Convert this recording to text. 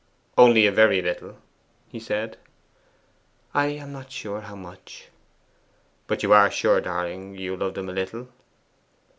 'Only a very little?' he said. 'I am not sure how much.' 'But you are sure, darling, you loved him a little?